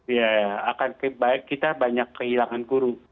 ya akan baik kita banyak kehilangan guru